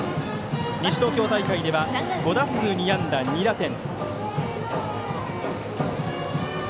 西東京大会では５打数２安打２打点。